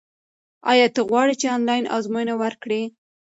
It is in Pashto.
ایا ته غواړې چې آنلاین ازموینه ورکړې؟